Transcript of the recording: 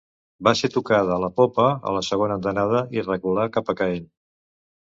Va ser tocada a la popa a la segona andanada i reculà cap a Caen.